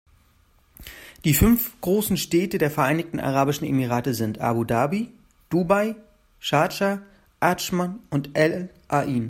Die fünf großen Städte der Vereinigten Arabischen Emirate sind Abu Dhabi, Dubai, Schardscha, Adschman und Al-Ain.